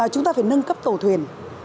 chúng ta phải nâng cấp tàu thuyền